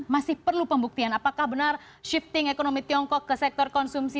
masih perlu pembuktian apakah benar shifting ekonomi tiongkok ke sektor konsumsi